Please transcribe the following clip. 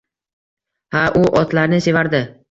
Ha, u otlarni sevardi